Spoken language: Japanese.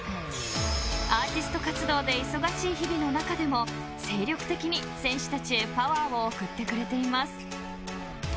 アーティスト活動で忙しい日々の中でも精力的に選手たちへパワーを送ってくれています。